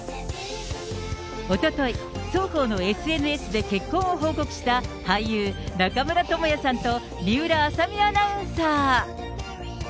おととい、双方のＳＮＳで結婚を報告した、俳優、中村倫也さんと水卜麻美アナウンサー。